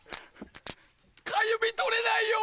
かゆみ取れないよ！